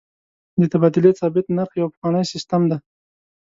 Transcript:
د تبادلې ثابت نرخ یو پخوانی سیستم دی.